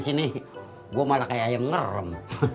kalian di sini gue malah kayak ayam nerem